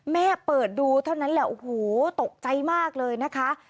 เปิดดูเท่านั้นแหละโอ้โหตกใจมากเลยนะคะ